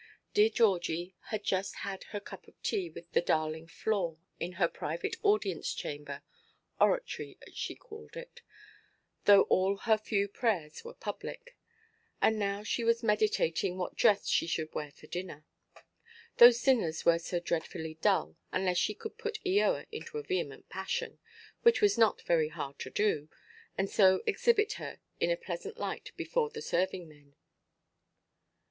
Dear Georgie had just had her cup of tea with the darling Flore, in her private audience–chamber—"oratory" she called it, though all her few prayers were public; and now she was meditating what dress she should wear at dinner. Those dinners were so dreadfully dull, unless she could put Eoa into a vehement passion—which was not very hard to do—and so exhibit her in a pleasant light before the serving–men.